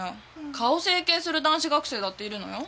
顔を整形する男子学生だっているのよ。